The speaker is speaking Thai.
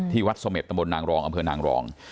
ที่วัดสมตมนต์นางรองอำเภอนางรอง